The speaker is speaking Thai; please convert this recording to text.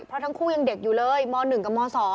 เพราะทั้งคู่ยังเด็กอยู่เลยม๑กับม๒